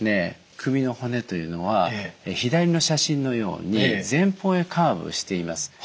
首の骨というのは左の写真のように前方へカーブしています。